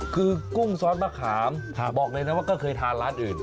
คือกุ้งซอสมะขามบอกเลยนะว่าก็เคยทานร้านอื่น